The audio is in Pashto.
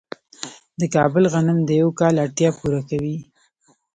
د کابل غنم د یو کال اړتیا پوره کوي.